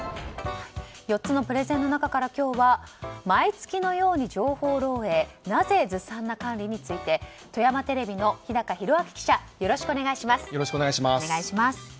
４つのプレゼンの中から今日は毎月のように情報漏洩なぜずさんな管理？について富山テレビの日高寛章記者よろしくお願いします。